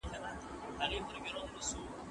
نړیوال بانکونه د پرمختګ ملاتړ کوي.